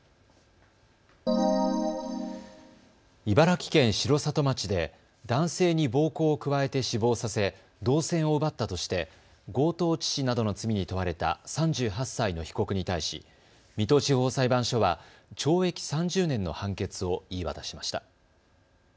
茨城県城里町で男性に暴行を加えて死亡させ銅線を奪ったとして強盗致死などの罪に問われた３８歳の被告に対し水戸地方裁判所は懲役３０年の判決を言い渡しました。